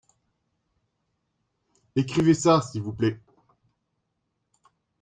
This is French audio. Écrivez ça s’il vous plait.